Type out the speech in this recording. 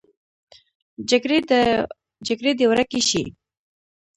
جګړې دې ورکې شي